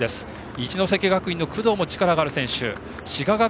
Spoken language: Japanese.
一関学院の工藤も力がある選手。